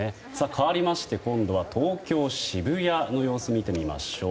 かわりまして今度は東京・渋谷の様子見てみましょう。